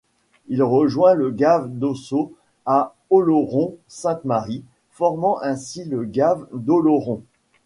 Il rejoint le gave d'Ossau à Oloron-Sainte-Marie, formant ainsi le gave d'Oloron.